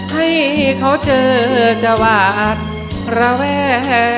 ให้เขาเจอจวาดระแว